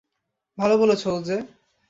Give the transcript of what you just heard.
ভালো বলেছ, ওজে।